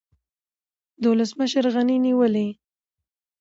د ولسمشر غني نیولې